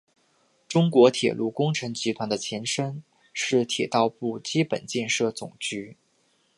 中国铁路工程集团的前身是铁道部基本建设总局。